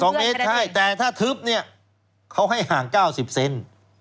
ถัง๒เมตรใช่แต่ถ้าทึบเขาให้หาง๙๐เซนติเซน